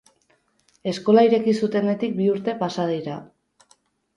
Eskola ireki zutenetik bi urte pasa dira.